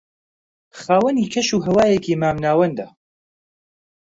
خاوەنی کەش و ھەوایەکی مام ناوەندە